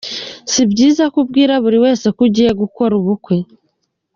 Si byiza ko ubwira buri wese ko ugiye gukora ubukwe.